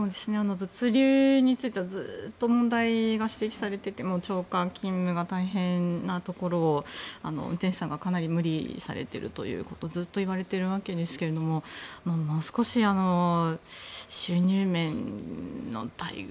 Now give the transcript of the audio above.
物流についてはずっと問題が指摘されていて長時間勤務が大変なところを運転手さんがかなり無理されているということをずっと言われているわけですがもう少し収入面の待遇